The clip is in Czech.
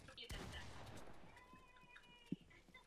Dále se facelift týkal detailů v exteriéru.